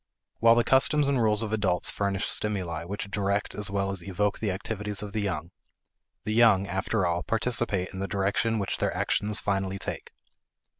While the customs and rules of adults furnish stimuli which direct as well as evoke the activities of the young, the young, after all, participate in the direction which their actions finally take.